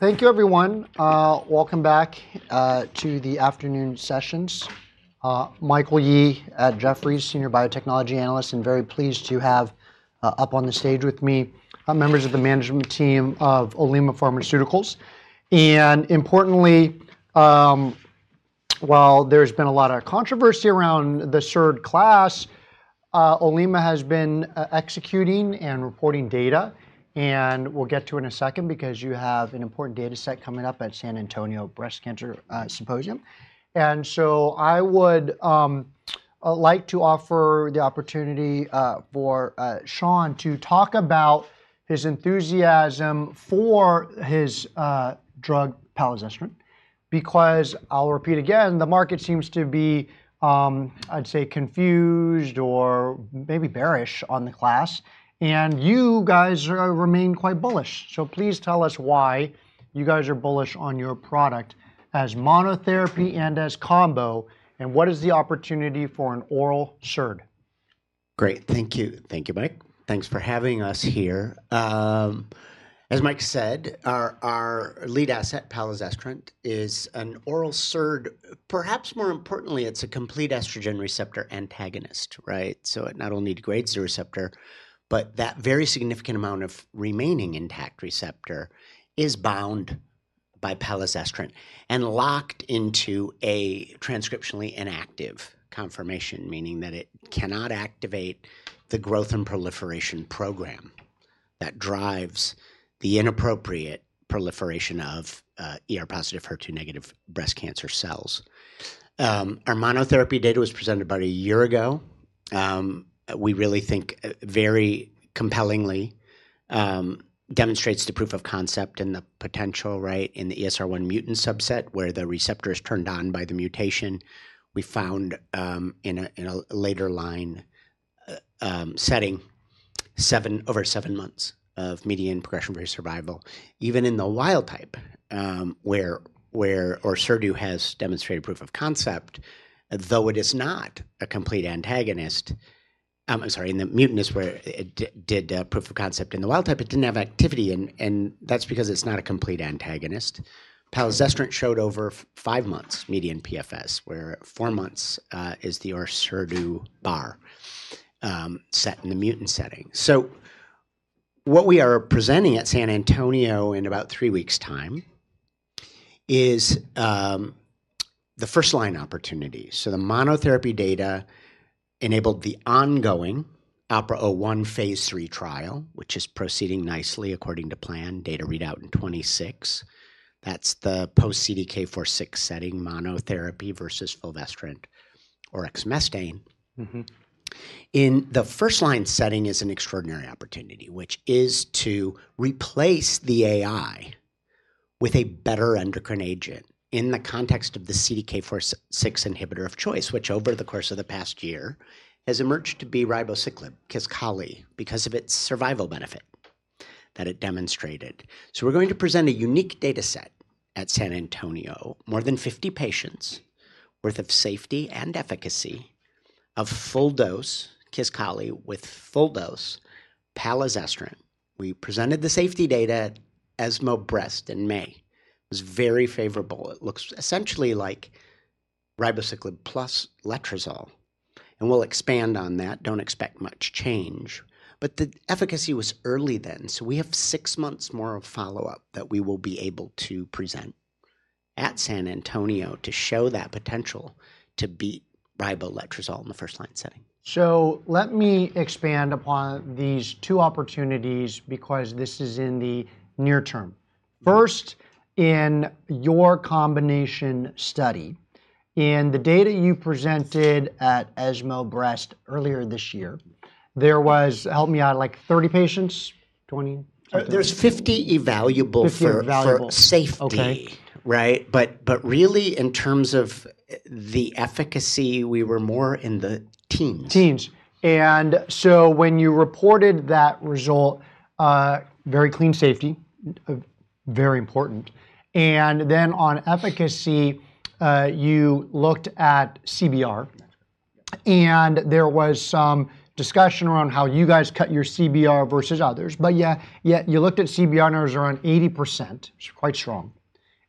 Thank you, everyone. Welcome back to the afternoon sessions. Michael Yee at Jefferies, Senior Biotechnology Analyst, and very pleased to have up on the stage with me members of the management team of Olema Pharmaceuticals. Importantly, while there's been a lot of controversy around the SERD class, Olema has been executing and reporting data, and we'll get to it in a second because you have an important data set coming up at San Antonio Breast Cancer Symposium. I would like to offer the opportunity for Sean to talk about his enthusiasm for his drug, palazestrant, because I'll repeat again, the market seems to be, I'd say, confused or maybe bearish on the class, and you guys remain quite bullish. Please tell us why you guys are bullish on your product as monotherapy and as combo, and what is the opportunity for an oral SERD? Great. Thank you. Thank you, Mike. Thanks for having us here. As Mike said, our lead asset, palazestrant, is an oral SERD. Perhaps more importantly, it's a complete estrogen receptor antagonist, right? So it not only degrades the receptor, but that very significant amount of remaining intact receptor is bound by palazestrant and locked into a transcriptionally inactive conformation, meaning that it cannot activate the growth and proliferation program that drives the inappropriate proliferation of positive, HER2-negative breast cancer cells. Our monotherapy data was presented about a year ago. We really think very compellingly demonstrates the proof of concept and the potential, right, in the ESR1 mutant subset where the receptor is turned on by the mutation. We found in a later line setting over seven months of median progression-free survival, even in the wild type, where ORSERDU has demonstrated proof of concept, though it is not a complete antagonist. I'm sorry, in the mutant is where it did proof of concept in the wild type, it didn't have activity, and that's because it's not a complete antagonist. Palazestrant showed over five months median PFS, where four months is the ORSERDU bar set in the mutant setting. So what we are presenting at San Antonio in about three weeks' time is the first line opportunity. So the monotherapy data enabled the ongoing OPERA-01 phase III trial, which is proceeding nicely according to plan, data readout in 2026. That's the post-CDK4/6 setting monotherapy versus fulvestrant or exemestane. In the first line setting is an extraordinary opportunity, which is to replace the AI with a better endocrine agent in the context of the CDK4/6 inhibitor of choice, which over the course of the past year has emerged to be ribociclib, Kisqali, because of its survival benefit that it demonstrated. So we're going to present a unique data set at San Antonio, more than 50 patients' worth of safety and efficacy of full dose Kisqali with full dose palazestrant. We presented the safety data ESMO Breast in May. It was very favorable. It looks essentially like ribociclib plus letrozole, and we'll expand on that. Don't expect much change, but the efficacy was early then. So we have six months more of follow-up that we will be able to present at San Antonio to show that potential to beat ribociclib-letrozole in the first line setting. So let me expand upon these two opportunities because this is in the near term. First, in your combination study, in the data you presented at ESMO Breast earlier this year, there was, help me out, like 30 patients, 20? There's 50 evaluable for safety. Okay, right. But really, in terms of the efficacy, we were more in the teens. And so when you reported that result, very clean safety, very important. And then on efficacy, you looked at CBR, and there was some discussion around how you guys cut your CBR versus others. But yet you looked at CBR numbers around 80%, which is quite strong,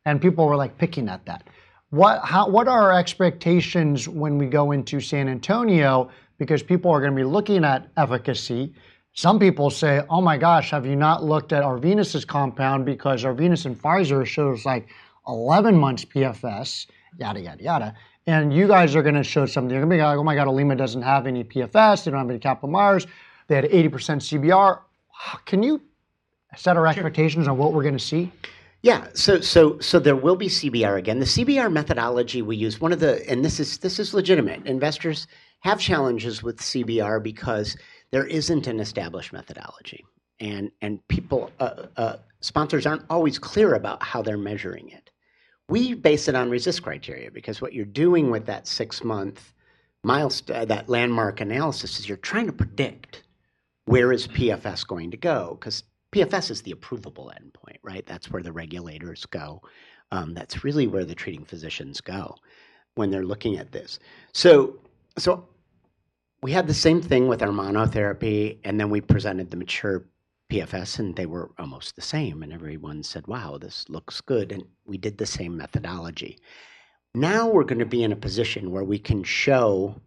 and people were like picking at that. What are our expectations when we go into San Antonio? Because people are going to be looking at efficacy. Some people say, "Oh my gosh, have you not looked at Arvinas's compound because Arvinas and Pfizer shows like 11 months PFS, yada, yada, yada." And you guys are going to show something. You're going to be like, "Oh my God, Olema doesn't have any PFS. They don't have any Kaplan-Meiers. They had 80% CBR." Can you set our expectations on what we're going to see? Yeah. So there will be CBR again. The CBR methodology we use, one of the, and this is legitimate. Investors have challenges with CBR because there isn't an established methodology, and sponsors aren't always clear about how they're measuring it. We base it on RECIST criteria because what you're doing with that six-month milestone, that landmark analysis is you're trying to predict where is PFS going to go because PFS is the approvable endpoint, right? That's where the regulators go. That's really where the treating physicians go when they're looking at this. So we had the same thing with our monotherapy, and then we presented the mature PFS, and they were almost the same, and everyone said, "Wow, this looks good." And we did the same methodology. Now we're going to be in a position where we can show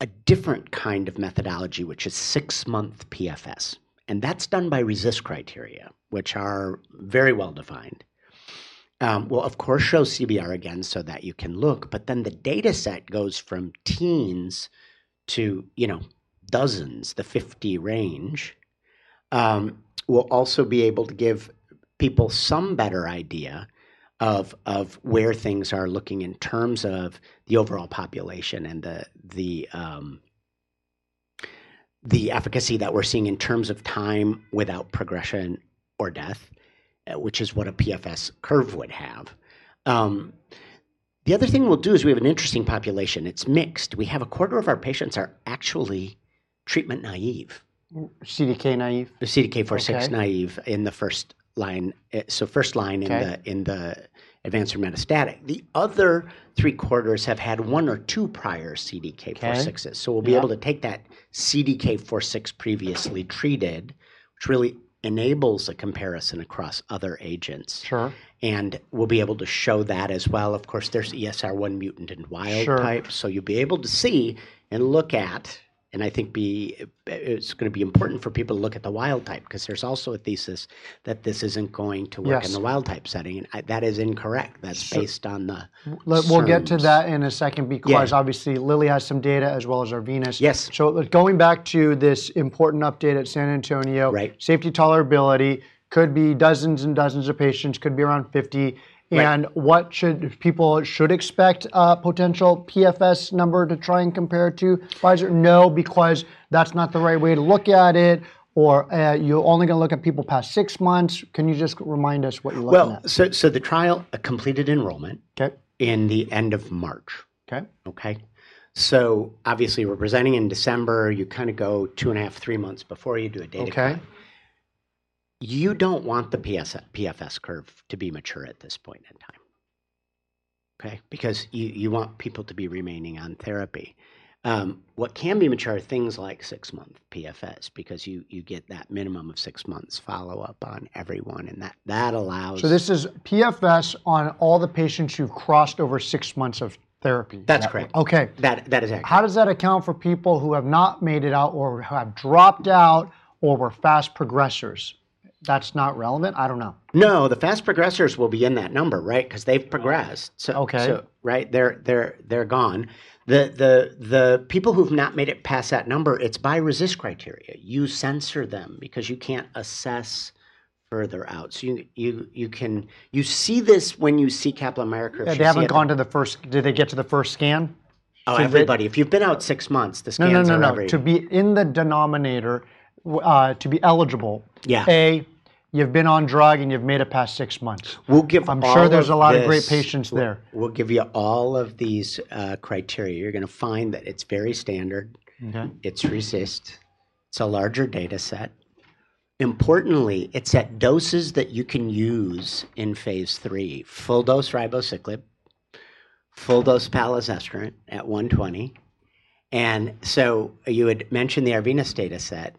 a different kind of methodology, which is six-month PFS, and that's done by RECIST criteria, which are very well defined. We'll, of course, show CBR again so that you can look, but then the data set goes from teens to, you know, dozens, the 50 range. We'll also be able to give people some better idea of where things are looking in terms of the overall population and the efficacy that we're seeing in terms of time without progression or death, which is what a PFS curve would have. The other thing we'll do is we have an interesting population. It's mixed. We have a quarter of our patients are actually treatment naive. CDK naive? CDK4/6 naive in the first line. So first line in the advanced or metastatic. The other three quarters have had one or two prior CDK4/6s. So we'll be able to take that CDK4/6 previously treated, which really enables a comparison across other agents. Sure. We'll be able to show that as well. Of course, there's ESR1 mutant and wild type. You'll be able to see and look at, and I think it's going to be important for people to look at the wild type because there's also a thesis that this isn't going to work in the wild type setting. That is incorrect. That's based on the. We'll get to that in a second because obviously Lilly has some data as well as Arvinas. Yes. So going back to this important update at San Antonio, safety tolerability could be dozens and dozens of patients, could be around 50. And what should people expect a potential PFS number to try and compare to Pfizer? No, because that's not the right way to look at it, or you're only going to look at people past six months. Can you just remind us what you're looking at? The trial, a completed enrollment in the end of March. Okay? Obviously we're presenting in December. You kind of go two and a half, three months before you do a data check. You don't want the PFS curve to be mature at this point in time, okay, because you want people to be remaining on therapy. What can be mature are things like six-month PFS because you get that minimum of six months follow-up on everyone, and that allows. This is PFS on all the patients who've crossed over six months of therapy. That's correct. Okay. That is accurate. How does that account for people who have not made it out or have dropped out or were fast progressors? That's not relevant? I don't know. No, the fast progressors will be in that number, right, because they've progressed. Okay. Right? They're gone. The people who've not made it past that number, it's by RECIST criteria. You censor them because you can't assess further out. So you see this when you see Kaplan-Meier curve. They haven't gone to the first. Did they get to the first scan? Everybody. If you've been out six months, the scans are everywhere. No, no, no. To be in the denominator, to be eligible. Yeah. You've been on drug and you've made it past six months. We'll give all of these. I'm sure there's a lot of great patients there. We'll give you all of these criteria. You're going to find that it's very standard. It's resistant. It's a larger data set. Importantly, it's at doses that you can use in phase III, full dose ribociclib, full dose palazestrant at 120. And so you had mentioned the Arvinas data set.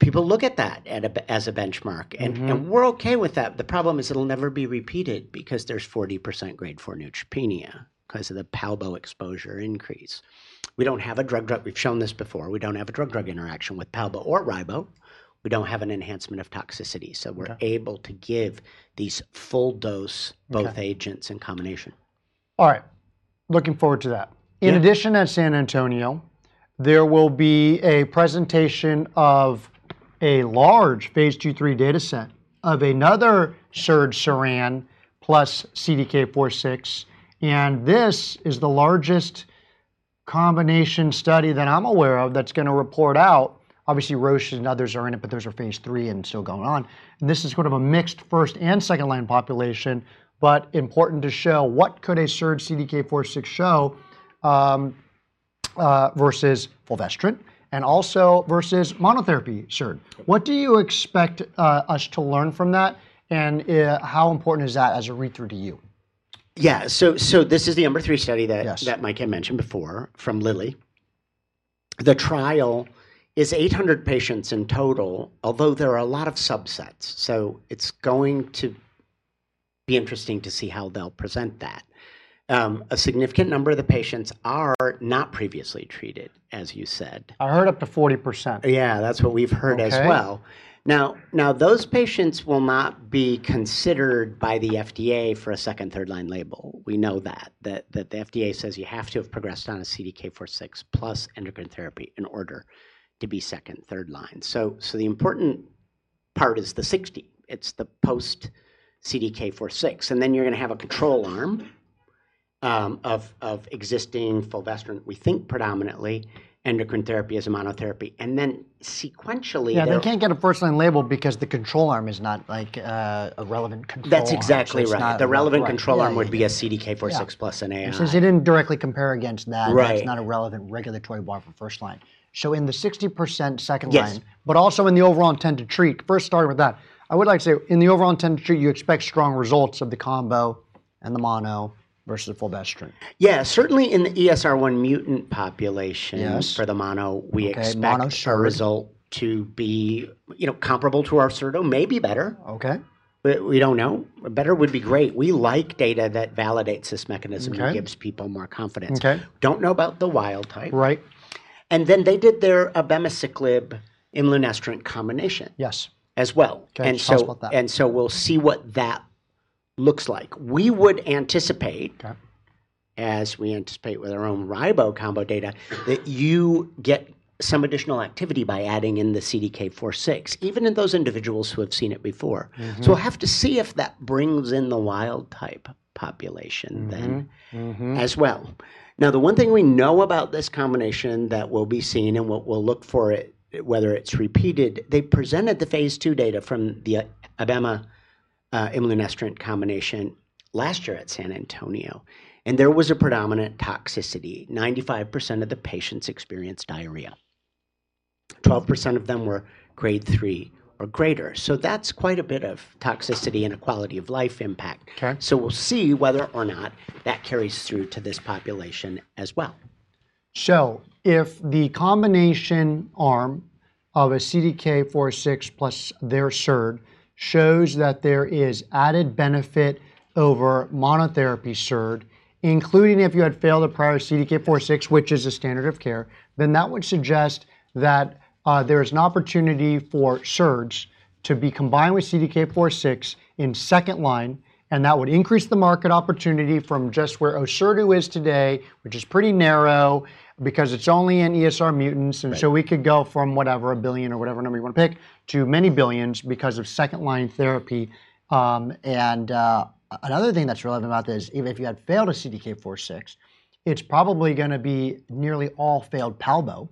People look at that as a benchmark, and we're okay with that. The problem is it'll never be repeated because there's 40% grade four neutropenia because of the PALBO exposure increase. We've shown this before. We don't have a drug-drug interaction with PALBO or RIBO. We don't have an enhancement of toxicity. So we're able to give these full dose both agents in combination. All right. Looking forward to that. In addition, at San Antonio, there will be a presentation of a large phase II/III data set of another SERD, SERENA plus CDK4/6, and this is the largest combination study that I'm aware of that's going to report out. Obviously, Roche and others are in it, but those are phase III and still going on, and this is sort of a mixed first- and second-line population, but important to show what could a SERD CDK4/6 show versus fulvestrant and also versus monotherapy SERD. What do you expect us to learn from that, and how important is that as a read-through to you? Yeah. So this is the number three study that Mike had mentioned before from Lilly. The trial is 800 patients in total, although there are a lot of subsets. So it's going to be interesting to see how they'll present that. A significant number of the patients are not previously treated, as you said. I heard up to 40%. Yeah, that's what we've heard as well. Now, those patients will not be considered by the FDA for a second, third line label. We know that, that the FDA says you have to have progressed on a CDK4/6 plus endocrine therapy in order to be second, third line. So the important part is the 60. It's the post-CDK4/6, and then you're going to have a control arm of existing fulvestrant, we think predominantly endocrine therapy as a monotherapy, and then sequentially. Yeah, they can't get a first line label because the control arm is not like a relevant control arm. That's exactly right. The relevant control arm would be a CDK4/6 plus an AI. Since it didn't directly compare against that, that's not a relevant regulatory bar for first line. So in the 60% second line, but also in the overall intent to treat, first start with that. I would like to say in the overall intent to treat, you expect strong results of the combo and the mono versus the fulvestrant. Yeah, certainly in the ESR1 mutant population for the mono, we expect our result to be comparable to our SERD, maybe better. Okay. We don't know. Better would be great. We like data that validates this mechanism and gives people more confidence. Don't know about the wild type. Right. And then they did their abemaciclib imlunestrant combination as well. Okay, tell us about that. And so we'll see what that looks like. We would anticipate, as we anticipate with our own RIBO combo data, that you get some additional activity by adding in the CDK4/6, even in those individuals who have seen it before. So we'll have to see if that brings in the wild type population then as well. Now, the one thing we know about this combination that will be seen and what we'll look for it, whether it's repeated, they presented the phase II data from the abemaciclib exemestane combination last year at San Antonio, and there was a predominant toxicity. 95% of the patients experienced diarrhea. 12% of them were grade 3 or greater. So that's quite a bit of toxicity and a quality of life impact. So we'll see whether or not that carries through to this population as well. So, if the combination arm of a CDK4/6 plus their SERD shows that there is added benefit over monotherapy SERD, including if you had failed a prior CDK4/6, which is a standard of care, then that would suggest that there is an opportunity for SERDs to be combined with CDK4/6 in second line, and that would increase the market opportunity from just where ORSERDU is today, which is pretty narrow because it's only in ESR1 mutants. And so we could go from whatever a billion or whatever number you want to pick to many billions because of second line therapy. And another thing that's relevant about this is if you had failed a CDK4/6, it's probably going to be nearly all failed PALBO,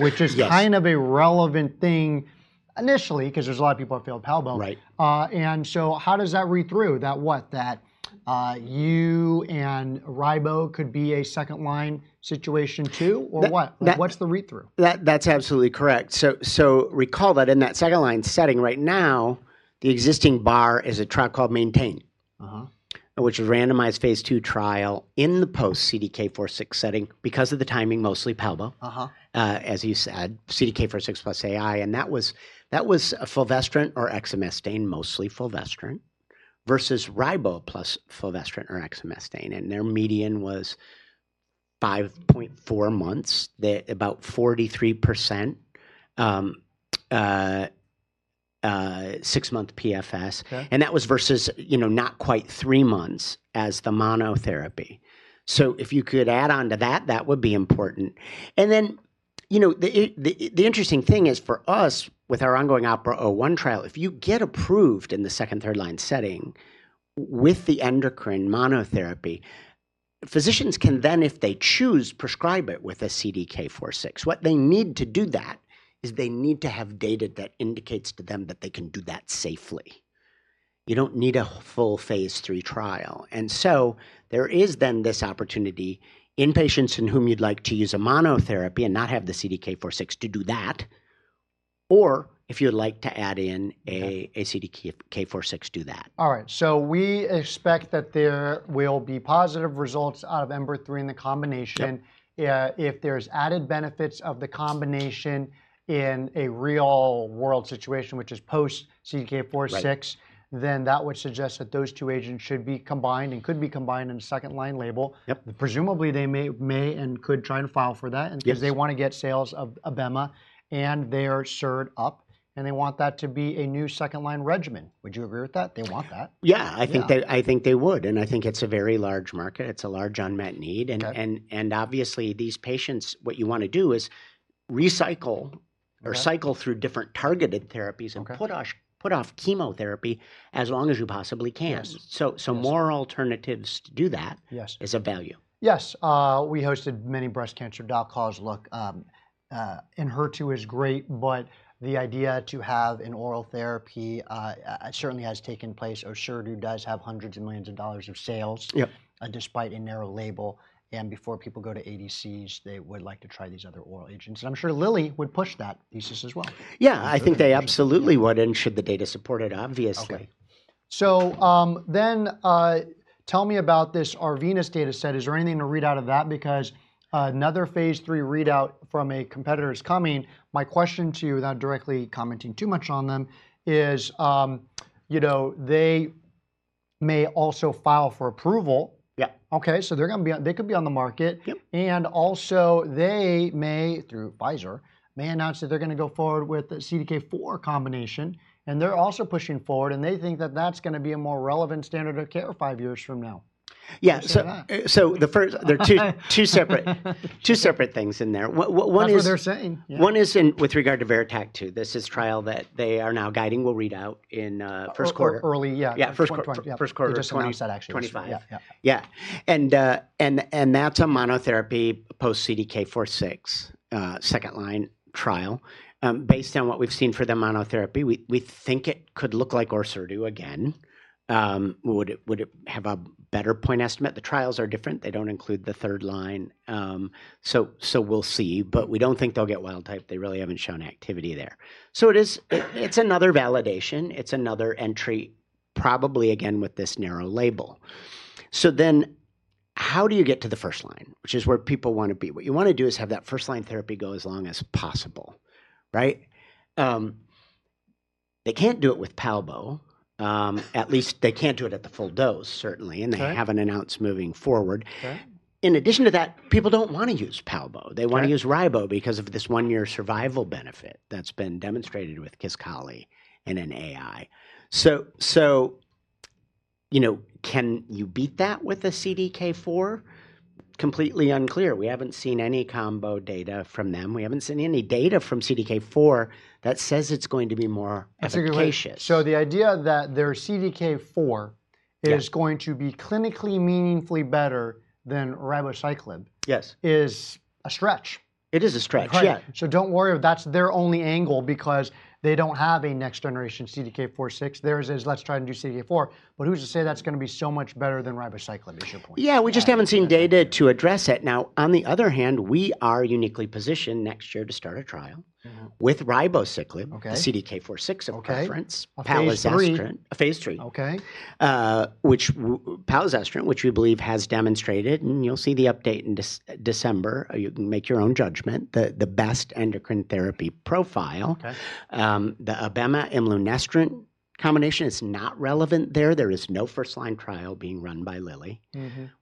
which is kind of a relevant thing initially because there's a lot of people who have failed PALBO. And so how does that read through that what? That you and RIBO could be a second line situation too or what? What's the read-through? That's absolutely correct. So recall that in that second line setting right now, the existing bar is a trial called MAINTAIN, which is a randomized phase II trial in the post-CDK4/6 setting because of the timing, mostly PALBO, as you said, CDK4/6 plus AI. And that was fulvestrant or exemestane, mostly fulvestrant versus RIBO plus fulvestrant or exemestane. And their median was 5.4 months, about 43% six-month PFS. And that was versus, you know, not quite three months as the monotherapy. So if you could add on to that, that would be important. And then, you know, the interesting thing is for us with our ongoing OPERA-01 trial, if you get approved in the second, third line setting with the endocrine monotherapy, physicians can then, if they choose, prescribe it with a CDK4/6. What they need to do that is they need to have data that indicates to them that they can do that safely. You don't need a full phase III trial. And so there is then this opportunity in patients in whom you'd like to use a monotherapy and not have the CDK4/6 to do that, or if you'd like to add in a CDK4/6, do that. All right. So we expect that there will be positive results out of EMBER-3 in the combination. If there's added benefits of the combination in a real world situation, which is post-CDK4/6, then that would suggest that those two agents should be combined and could be combined in a second line label. Presumably, they may and could try and file for that because they want to get sales of abemaciclib and their SERD up, and they want that to be a new second line regimen. Would you agree with that? They want that. Yeah, I think they would, and I think it's a very large market. It's a large unmet need, and obviously, these patients, what you want to do is recycle or cycle through different targeted therapies and put off chemotherapy as long as you possibly can, so more alternatives to do that is of value. Yes. We hosted many breast cancer doc calls. Look, in HER2 is great, but the idea to have an oral therapy certainly has taken place. ORSERDU does have hundreds of millions of dollars of sales despite a narrow label. Before people go to ADCs, they would like to try these other oral agents. I'm sure Lilly would push that thesis as well. Yeah, I think they absolutely would and should the data support it, obviously. Okay, so then tell me about this Arvinas data set. Is there anything to read out of that? Because another phase III readout from a competitor is coming. My question to you, without directly commenting too much on them, is, you know, they may also file for approval. Yeah. Okay, so they're going to be, they could be on the market, and also they may, through Pfizer, announce that they're going to go forward with the CDK4 combination, and they're also pushing forward, and they think that that's going to be a more relevant standard of care five years from now. Yeah, so there are two separate things in there. That's what they're saying. One is with regard to VERITAC-2. This is a trial that they are now guiding will read out in first quarter. Early, yeah. Yeah, first quarter. First quarter. Just 2025. 2025. Yeah. And that's a monotherapy post-CDK4/6 second line trial. Based on what we've seen for the monotherapy, we think it could look like ORSERDU again. Would it have a better point estimate? The trials are different. They don't include the third line. So we'll see. But we don't think they'll get wild type. They really haven't shown activity there. So it's another validation. It's another entry, probably again with this narrow label. So then how do you get to the first line, which is where people want to be? What you want to do is have that first line therapy go as long as possible, right? They can't do it with PALBO. At least they can't do it at the full dose, certainly. And they haven't announced moving forward. In addition to that, people don't want to use PALBO. They want to use RIBO because of this one-year survival benefit that's been demonstrated with Kisqali and an AI. So, you know, can you beat that with a CDK4? Completely unclear. We haven't seen any combo data from them. We haven't seen any data from CDK4 that says it's going to be more efficacious. So the idea that their CDK4 is going to be clinically meaningfully better than ribociclib is a stretch. It is a stretch. So don't worry. That's their only angle because they don't have a next generation CDK4/6. There is, let's try and do CDK4. But who's to say that's going to be so much better than ribociclib is your point? Yeah, we just haven't seen data to address it. Now, on the other hand, we are uniquely positioned next year to start a trial with ribociclib, the CDK4/6 of reference, palazestrant, which we believe has demonstrated, and you'll see the update in December, you can make your own judgment, the best endocrine therapy profile. The abemaciclib imlunestrant combination is not relevant there. There is no first line trial being run by Lilly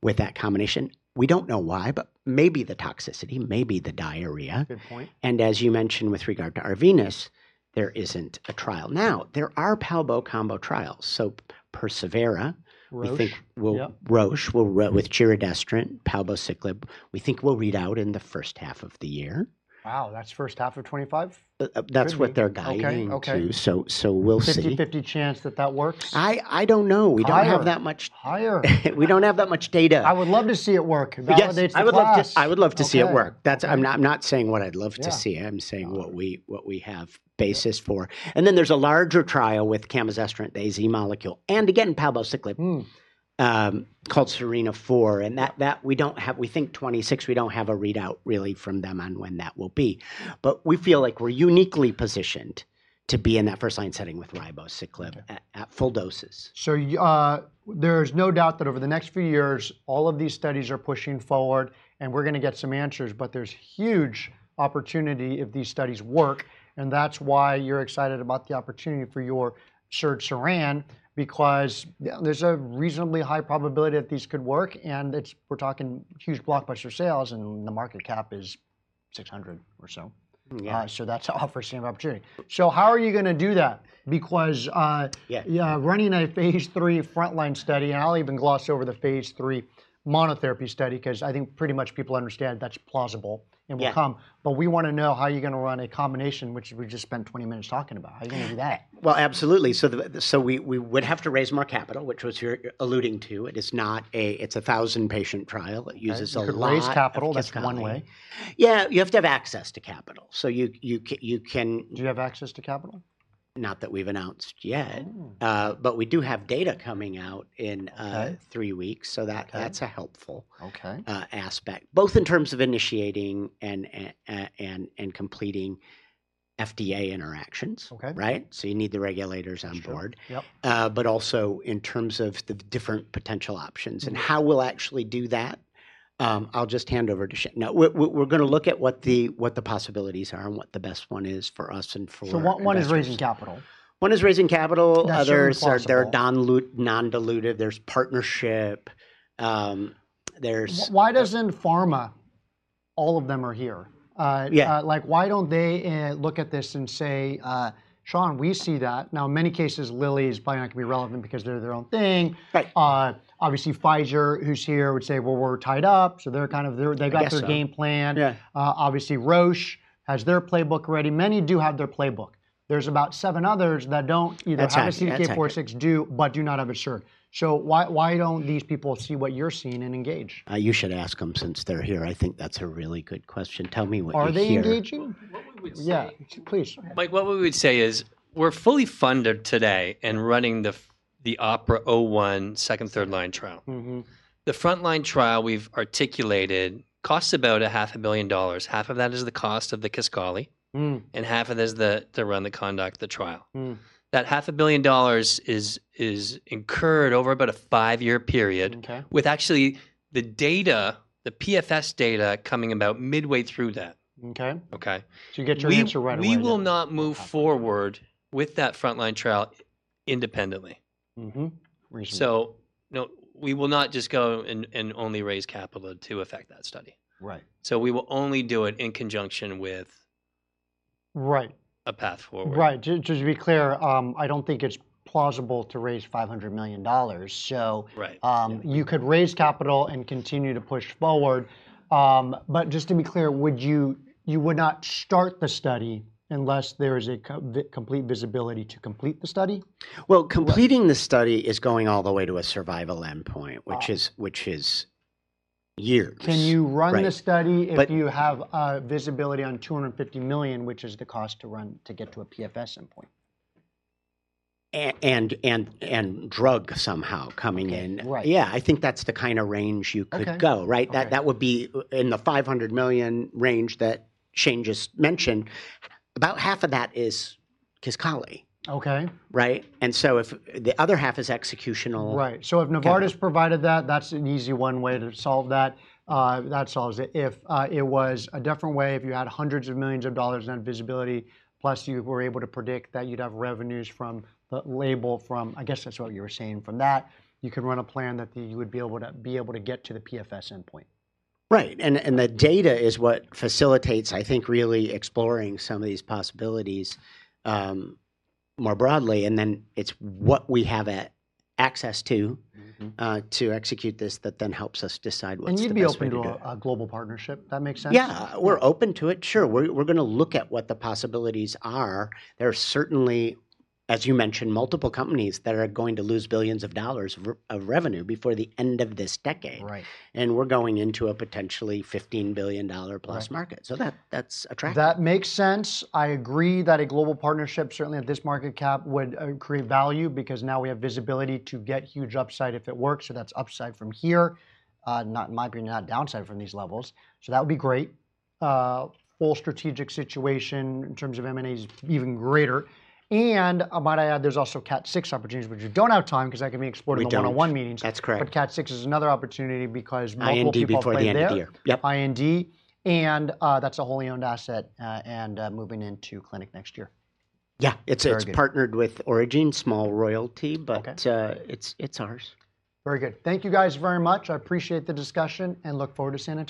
with that combination. We don't know why, but maybe the toxicity, maybe the diarrhea. And as you mentioned, with regard to Arvinas, there isn't a trial now. There are PALBO combo trials. So persevERA, we think Roche with giredestrant, palbociclib, we think we'll read out in the first half of the year. Wow, that's first half of 2025? That's what they're guiding to. So we'll see. 50/50 chance that that works? I don't know. We don't have that much. Higher. We don't have that much data. I would love to see it work. Yes, I would love to see it work. I'm not saying what I'd love to see. I'm saying what we have basis for. And then there's a larger trial with camizestrant, the AZ molecule, and again, palbociclib called SERENA-4. And that we don't have, we think 2026, we don't have a readout really from them on when that will be. But we feel like we're uniquely positioned to be in that first line setting with ribociclib at full doses. So there's no doubt that over the next few years, all of these studies are pushing forward, and we're going to get some answers, but there's huge opportunity if these studies work. And that's why you're excited about the opportunity for your SERD, Sean, because there's a reasonably high probability that these could work. And we're talking huge blockbuster sales, and the market cap is $600 million or so. So that's the same opportunity. So how are you going to do that? Because running a phase III frontline study, and I'll even gloss over the phase III monotherapy study, because I think pretty much people understand that's plausible and will come. But we want to know how you're going to run a combination, which we just spent 20 minutes talking about. How are you going to do that? Absolutely. We would have to raise more capital, which is what you're alluding to. It's a 1,000-patient trial. It uses a lot. Raise capital, that's one way. Yeah, you have to have access to capital. So you can. Do you have access to capital? Not that we've announced yet. But we do have data coming out in three weeks. So that's a helpful aspect, both in terms of initiating and completing FDA interactions, right? So you need the regulators on board. But also in terms of the different potential options and how we'll actually do that. I'll just hand over to Shane. Now, we're going to look at what the possibilities are and what the best one is for us and for. So one is raising capital. One is raising capital. Others are non-diluted. There's partnership. There's. Why doesn't pharma, all of them are here? Like, why don't they look at this and say, "Sean, we see that." Now, in many cases, Lilly's probably not going to be relevant because they're their own thing. Obviously, Pfizer, who's here, would say, "Well, we're tied up." So they're kind of, they've got their game plan. Obviously, Roche has their playbook ready. Many do have their playbook. There's about seven others that don't either have a CDK4/6, but do not have a SERD. So why don't these people see what you're seeing and engage? You should ask them since they're here. I think that's a really good question. Tell me what you're seeing. Are they engaging? Yeah, please. Like what we would say is we're fully funded today in running the OPERA-01 second, third line trial. The front line trial we've articulated costs about $500 million. Half of that is the cost of the Kisqali and half of that is to run the conduct, the trial. That $500 million is incurred over about a five-year period with actually the data, the PFS data coming about midway through that. Okay. To get your answer right away. We will not move forward with that front line trial independently. So we will not just go and only raise capital to effect that study. So we will only do it in conjunction with a path forward. Right. Just to be clear, I don't think it's plausible to raise $500 million. So you could raise capital and continue to push forward. But just to be clear, you would not start the study unless there is a complete visibility to complete the study? Completing the study is going all the way to a survival endpoint, which is years. Can you run the study if you have visibility on $250 million, which is the cost to run to get to a PFS endpoint? And drug somehow coming in. Yeah, I think that's the kind of range you could go, right? That would be in the $500 million range that Shane just mentioned. About half of that is Kisqali. Right? And so if the other half is executional. Right. So if Novartis provided that, that's an easy one way to solve that. That solves it. If it was a different way, if you had hundreds of millions of dollars in visibility, plus you were able to predict that you'd have revenues from the label from, I guess that's what you were saying from that, you could run a plan that you would be able to get to the PFS endpoint. Right, and the data is what facilitates, I think, really exploring some of these possibilities more broadly. And then it's what we have access to to execute this that then helps us decide what's the. And you'd be open to a global partnership. That makes sense. Yeah, we're open to it. Sure. We're going to look at what the possibilities are. There are certainly, as you mentioned, multiple companies that are going to lose billions of dollars of revenue before the end of this decade. And we're going into a potentially $15+ billion market. So that's attractive. That makes sense. I agree that a global partnership, certainly at this market cap, would create value because now we have visibility to get huge upside if it works. So that's upside from here, not in my opinion, not downside from these levels. So that would be great. Full strategic situation in terms of M&A is even greater. And I might add there's also KAT6 opportunities, which we don't have time because that can be explored in the one-on-one meetings. But KAT6 is another opportunity because multiple people. IND before the end of the year. Yep. IND. And that's a wholly owned asset and moving into clinic next year. Yeah, it's partnered with Aurigene, small royalty, but it's ours. Very good. Thank you guys very much. I appreciate the discussion and look forward to San Antonio.